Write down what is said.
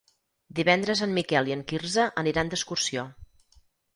Divendres en Miquel i en Quirze aniran d'excursió.